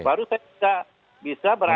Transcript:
baru saya bisa berada